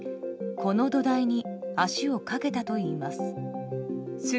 この土台に足をかけたといいます。